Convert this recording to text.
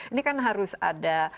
ini kan harus ada